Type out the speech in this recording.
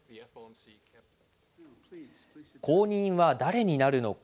後任は誰になるのか。